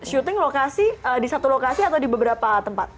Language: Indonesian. syuting lokasi di satu lokasi atau di beberapa tempat